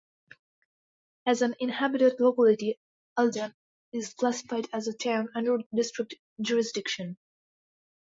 As an inhabited locality, Aldan is classified as a town under district jurisdiction.